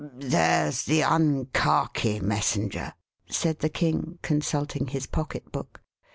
There's the Unkhaki Messenger," said the King, consulting his pocket book.